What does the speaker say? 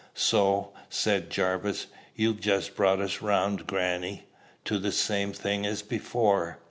"So," said Jarvis, "you've just brought us round, grannie, to the same thing as before."